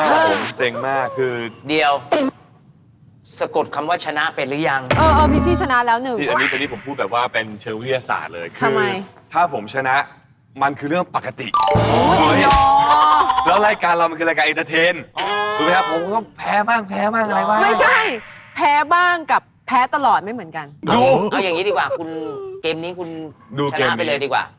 คุณเกมนี้คุณชนะไปเลยดีกว่า